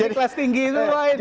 jadi kelas tinggi itu